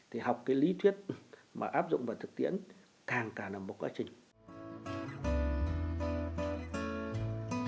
thì học cái lý thuyết mà áp dụng vào thực tiễn càng cả là một quá trình